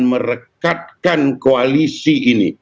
merekatkan koalisi ini